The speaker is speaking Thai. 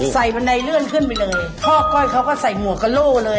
บันไดเลื่อนขึ้นไปเลยพ่อก้อยเขาก็ใส่หมวกกระโล่เลย